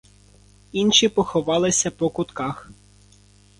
Інші поховалися по кутках.